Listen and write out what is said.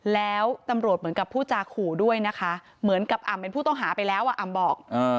แล้วตำรวจเหมือนกับผู้จาขู่ด้วยนะคะเหมือนกับอ่ำเป็นผู้ต้องหาไปแล้วอ่ะอำบอก